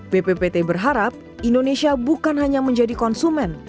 bppt berharap indonesia bukan hanya menjadi konsumen